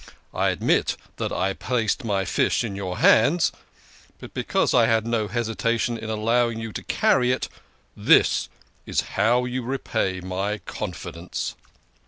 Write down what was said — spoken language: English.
I admit that I placed my fish in your hands. But because I 'THIS SALMON TO THE COOK! had no hesitation in allowing you to carry it, this is how you repay my confidence